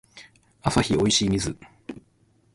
アサヒおいしい水